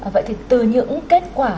vậy thì từ những kết quả